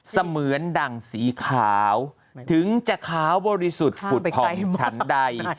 เสมือนดั่งสีขาวถึงจะขาวบริสุทธิ์ผุดผ่องชั้นใด